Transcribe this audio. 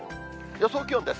予想気温です。